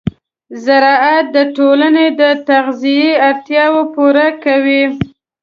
زراعت د ټولنې د تغذیې اړتیاوې پوره کوي.